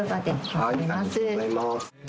はーいありがとうございます